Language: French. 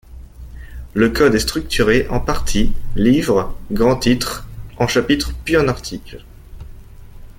Le code est structuré en partie, livre, grand titre, en chapitre puis en article.